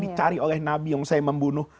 dicari oleh nabi yang saya membunuh